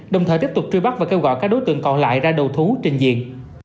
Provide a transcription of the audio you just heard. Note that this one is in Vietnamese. đồng thời tiếp tục truy bắt và kêu gọi các đối tượng còn lại ra đầu thú trình diện